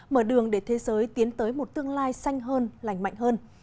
mở đường để thế giới tiến tới một tương lai xanh hơn lành mạnh hơn